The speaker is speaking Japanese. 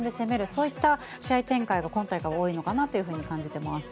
そういった試合展開が今大会多いのかなと感じています。